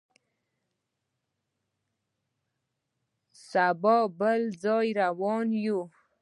سبا بل ځای روان یو.